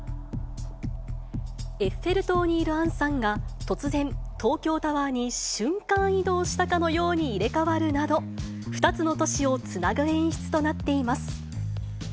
エッフェル塔にいる杏さんが突然、東京タワーに瞬間移動したかのように入れ代わるなど、２つの都市をつなぐ演出となっています。